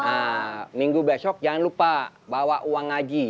nah minggu besok jangan lupa bawa uang ngaji ye